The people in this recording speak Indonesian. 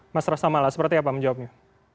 mas rasamala seperti apa menjawabnya